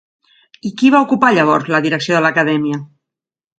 I qui va ocupar llavors la direcció de l'acadèmia?